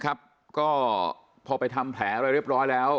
ก็พอไปทำแผลอะไรเรียบร้อยแล้ว